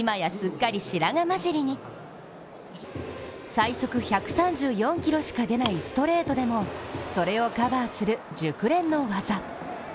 最速１３４キロしか出ないストレートでもそれをカバーする熟練の技。